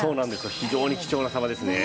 非常に貴重なさばですね。